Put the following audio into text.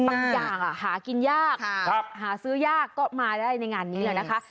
บางอย่างหากินยากหาซื้อยากก็มาได้ในงานนี้แหละนะคะ